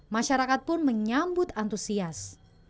masyarakat pun menyambut antusias